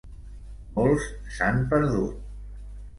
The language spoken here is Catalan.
Molts s'han perdut.